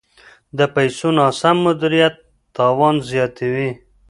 د پیسو ناسم مدیریت تاوان زیاتوي.